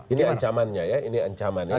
ini ancamannya ya ini ancamannya